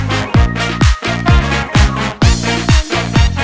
โอ้โฮ